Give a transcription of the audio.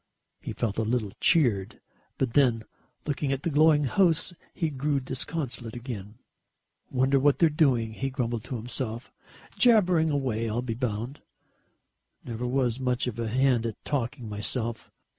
He felt a little cheered. But then, looking at the glowing house, he grew disconsolate again. "Wonder what they're doing," he grumbled to himself. "Jabbering away, I'll be bound. Never was much of a hand at talking myself.